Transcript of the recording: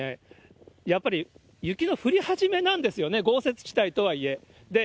やっぱり雪の降り始めなんですよね、豪雪地帯とはいえ。